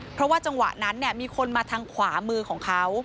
เพราะว่าจังหวะนั้นมีคนมาทางขวามือของเขา